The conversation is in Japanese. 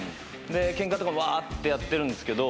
ケンカとかわーってやってるんですけど。